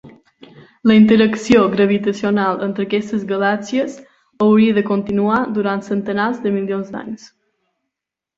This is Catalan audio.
La interacció gravitacional entre aquestes galàxies hauria de continuar durant centenars de milions d'anys.